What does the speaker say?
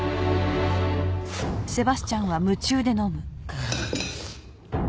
ああ。